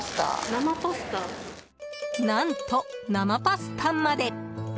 何と、生パスタまで。